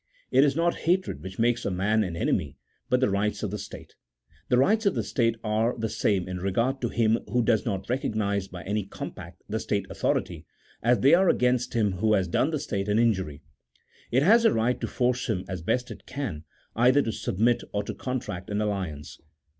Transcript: It is not hatred which makes a man an enemy, but the rights of the state. The rights of the state are the same in regard to him who does not recognize by any com pact the state authority, as they are against him who has done the state an injury : it has the right to force him as best it can, either to submit, or to contract an alliance.